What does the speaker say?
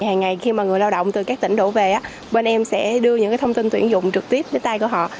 hàng ngày khi mà người lao động từ các tỉnh đổ về bên em sẽ đưa những thông tin tuyển dụng trực tiếp đến tay của họ